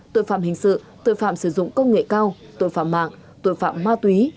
tội phạm hình sự tội phạm sử dụng công nghệ cao tội phạm mạng tội phạm ma túy